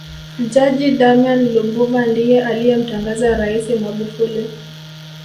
jaji damian lubuva ndiye aliyemtangaza raisi magufuli